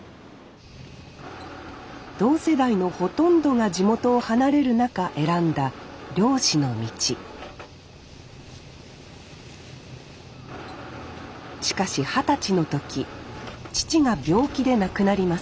同世代のほとんどが地元を離れる中選んだ漁師の道しかし二十歳の時父が病気で亡くなります。